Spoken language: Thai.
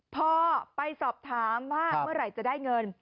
พอไปสอบถามว่าเมื่อไหร่จะได้เงิน